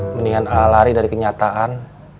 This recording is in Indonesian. mendingan a a lari dari kenyataan